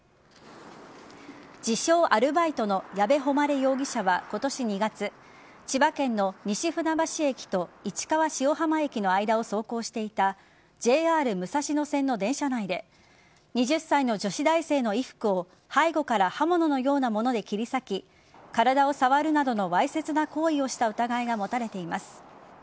自称・アルバイトの矢部誉容疑者は今年２月千葉県の西船橋駅と市川塩浜駅の間を走行していたＪＲ武蔵野線の電車内で２０歳の女子大生の衣服を背後から刃物のようなもので切り裂き体を触るなどのわいせつな行為をした疑いが持たれています。